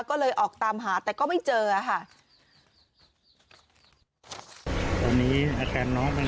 ก็เลยออกตามหาแต่ก็ไม่เจอค่ะ